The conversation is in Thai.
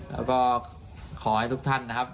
แล้วก็ขอให้ทุกท่านนะครับ